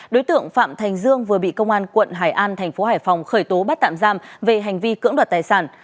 đối tượng phạm thành dương vừa bị công an quận hải an thành phố hải phòng khởi tố bắt tạm giam về hành vi cưỡng đoạt tài sản